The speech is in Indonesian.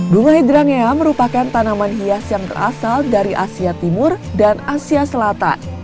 bunga hidrangea merupakan tanaman hias yang berasal dari asia timur dan asia selatan